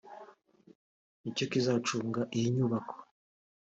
nicyo kizacunga iyi nyubako